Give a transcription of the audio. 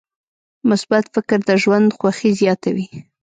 مثبت فکر د ژوند خوښي زیاتوي.